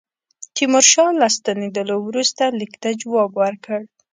تیمورشاه له ستنېدلو وروسته لیک ته جواب ورکړ.